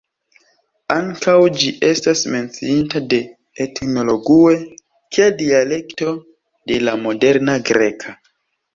Ankaŭ ĝi estas menciita de "Ethnologue" kiel dialekto de la moderna greka.